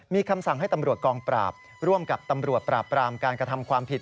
มีคำสั่งให้ตำรวจกองปราบร่วมกับตำรวจปราบปรามการกระทำความผิด